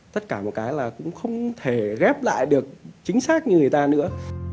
tất cả một cái là cũng không thể ghép lại được chính xác như người ta nữa